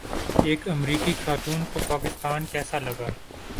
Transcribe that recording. ایک امریکی خاتون کو پاکستان کیسا لگا